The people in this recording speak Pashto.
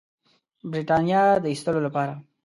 برټانیې د ایستلو لپاره.